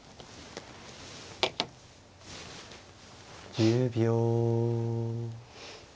１０秒。